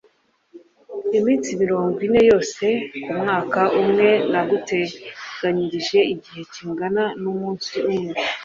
iminsi mirongo ine yose Ku mwaka umwe naguteganyirije igihe kingana n’umunsi umwe